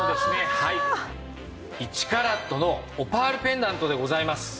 はい１カラットのオパールペンダントでございます。